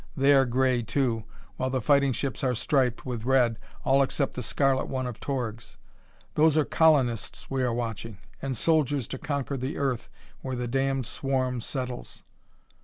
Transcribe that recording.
They are gray, too, while the fighting ships are striped with red, all except the scarlet one of Torg's. Those are colonists we are watching, and soldiers to conquer the Earth where the damned swarm settles."